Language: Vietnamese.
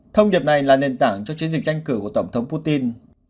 thông điệp này là nền tảng cho chiến dịch tranh cử của tổng thống putin